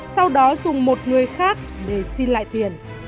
sau đó dùng một người khác để xin lại tiền